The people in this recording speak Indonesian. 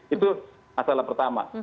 itu masalah pertama